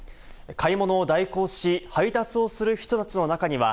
買い物を代行し、配達をする人たちの中には、